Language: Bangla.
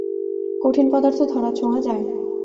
কঠিন পদার্থ ধরা-ছোঁয়া যায়।